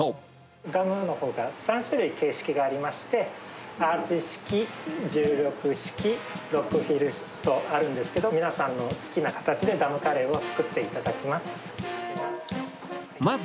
ダムのほうから、３種類形式がありまして、アーチ式、重力式、ロックフィル式とあるんですけど、皆さんの好きな形で、ダムカレーを作っていただきます。